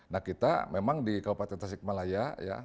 nah kita memang di kabupaten tasik malaya